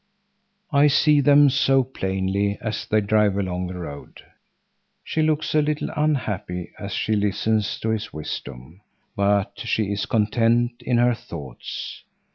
I see them so plainly as they drive along the road. She looks a little unhappy as she listens to his wisdom. But she is content in her thoughts!